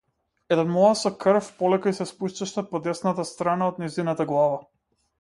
Еден млаз со крв полека ѝ се спушташе по десната страна од нејзината глава.